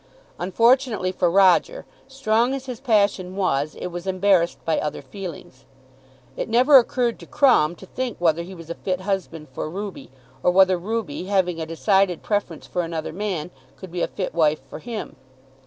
Unfortunately for Roger, strong as his passion was, it was embarrassed by other feelings. It never occurred to Crumb to think whether he was a fit husband for Ruby, or whether Ruby, having a decided preference for another man, could be a fit wife for him.